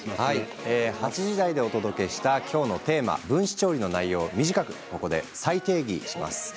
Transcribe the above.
８時台でお届けした今日のテーマ、分子調理の内容を短くここで再定義します。